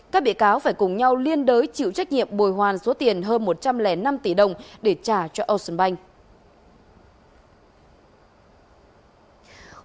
các bị cáo phải cùng nhau liên đối chịu trách nhiệm bồi hoàn số tiền hơn một trăm linh năm tỷ đồng để trả cho ocean bank